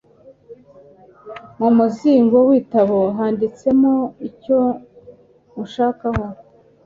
mu muzingo w'igitabo handitswemo icyo unshakaho